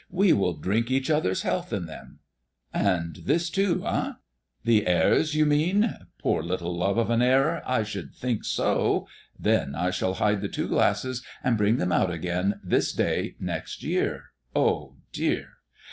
We will drink each other's health in them." "And his too, eh?" "The heir's, you mean? Poor little love of an heir, I should think so! Then I shall hide the two glasses and bring them out again this day next year, eh, dear?